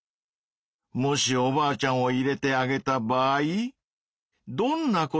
もしおばあちゃんを入れてあげた場合どんなことが起きるかな？